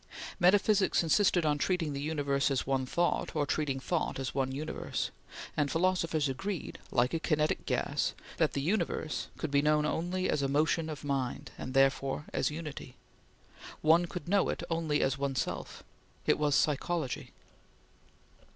Metaphysics insisted on treating the universe as one thought or treating thought as one universe; and philosophers agreed, like a kinetic gas, that the universe could be known only as motion of mind, and therefore as unity. One could know it only as one's self; it was psychology.